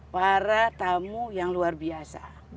para tamu yang luar biasa